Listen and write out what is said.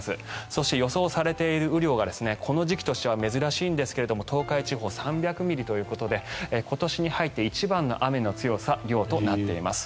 そして予想されている雨量がこの時期としては珍しいんですが東海地方３００ミリということで今年に入って一番の雨の強さ、量となっています。